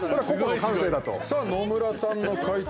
さあ、野村さんの解答